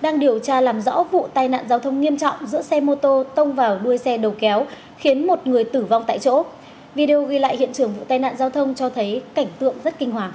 đang điều tra làm rõ vụ tai nạn giao thông nghiêm trọng giữa xe mô tô tông vào đuôi xe đầu kéo khiến một người tử vong tại chỗ video ghi lại hiện trường vụ tai nạn giao thông cho thấy cảnh tượng rất kinh hoàng